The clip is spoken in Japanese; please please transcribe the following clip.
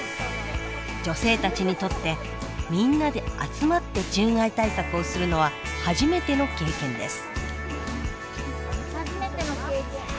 女性たちにとってみんなで集まって獣害対策をするのは初めての経験です。